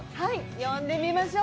呼んでみましょう。